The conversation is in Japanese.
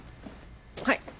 はい。